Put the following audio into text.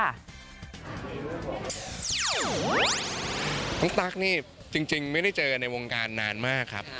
ตั๊กนี่จริงไม่ได้เจอกันในวงการนานมากครับ